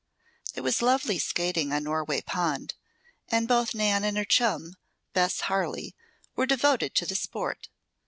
It was lovely skating on Norway Pond, and both Nan and her chum, Bess Harley, were devoted to the sport.